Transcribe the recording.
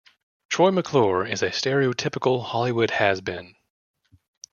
Troy McClure is a stereotypical Hollywood has-been.